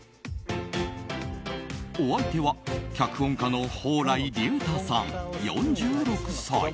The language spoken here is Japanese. お相手は脚本家の蓬莱竜太さん、４６歳。